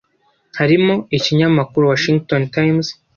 harimo ikinyamakuru Washington Times